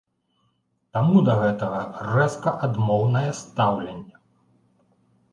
Таму да гэтага рэзка адмоўнае стаўленне.